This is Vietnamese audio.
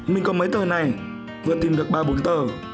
mình có mấy tờ này vừa tìm được ba bốn tờ